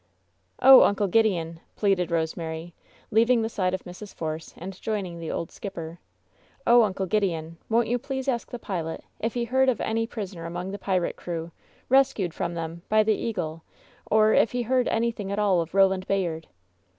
"Oh, Uncle Gideon!" pleaded Rosemary, leaving the side of Mrs. Force and joining the old skipper. "Oh, Uncle Gideon, won't you please ask the pilot if he heard of any prisoner among the pirate crew, rescued from them by the Eagle, or if he heard anything at all of Roland Bayard?"